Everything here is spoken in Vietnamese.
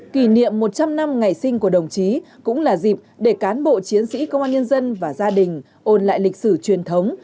kỷ niệm một trăm linh năm ngày sinh của đồng chí cũng là dịp để cán bộ chiến sĩ công an nhân dân và gia đình ôn lại lịch sử truyền thống